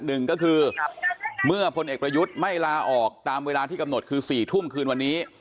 หนึ่งก็คือเมื่อพลเอกประยุทธ์ไม่ลาออกตามเวลาที่กำหนดคือ๔ทุ่มคืนวันนี้